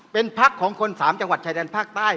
เป็นพักของคน๓จังหวัดชายแดนภาคใต้